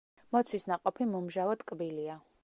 მოცვის ნაყოფი მომჟავო ტკბილია.